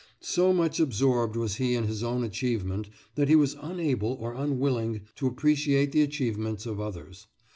So much absorbed was he in his own achievement that he was unable or unwilling to appreciate the achievements of others.